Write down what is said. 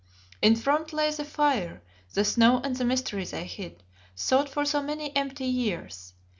In front lay the fire, the snow and the mystery they hid, sought for so many empty years.